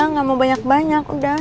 nggak mau banyak banyak udah